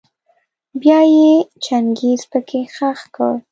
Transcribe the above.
بيا يې چنګېز پکي خښ کړ.